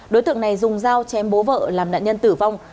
đối tượng này dùng dao chém bố vợ làm nạn nhân tử vong